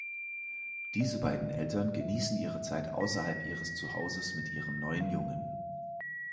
Diese beiden Eltern genießen ihre Zeit außerhalb ihres Zuhauses mit ihrem neuen Jungen.